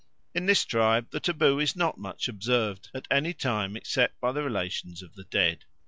In this tribe the taboo is not much observed at any time except by the relations of the dead.